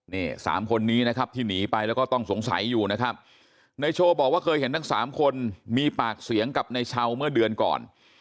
นี่สามคนนี้นะครับที่หนีไปแล้วก็ต้องสงสัยอยู่นะครับในโชว์บอกว่าเคยเห็นทั้งสามคนมีปากเสียงกับในเช้าเมื่อเดือนก่อน